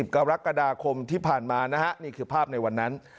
กรกฎาคมที่ผ่านมานะฮะนี่คือภาพในวันนั้น